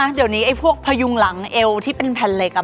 ใช่แต่เดี๋ยวนี้พยุงหลังเอวที่เป็นแผ่นเหล็ก